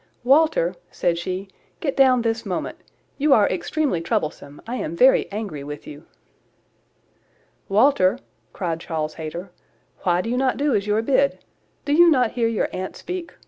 "Walter," said she, "get down this moment. You are extremely troublesome. I am very angry with you." "Walter," cried Charles Hayter, "why do you not do as you are bid? Do not you hear your aunt speak?